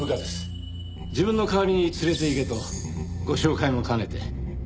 自分の代わりに連れて行けとご紹介も兼ねて。